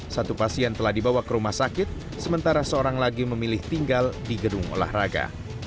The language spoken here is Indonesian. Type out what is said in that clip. satu pasien telah dibawa ke rumah sakit sementara seorang lagi memilih tinggal di gedung olahraga